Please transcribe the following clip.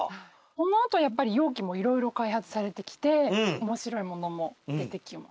このあとやっぱり容器も色々開発されてきて面白いものも出てきます。